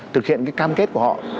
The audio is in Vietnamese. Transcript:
thực hiện cái cam kết của họ